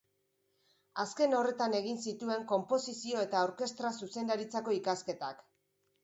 Azken horretan egin zituen Konposizio eta Orkestra Zuzendaritzako ikasketak.